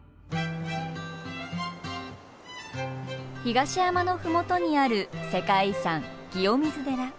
東山の麓にある世界遺産清水寺。